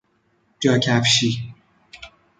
جاکفشی